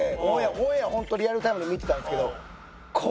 オンエアホントリアルタイムで見てたんですけど。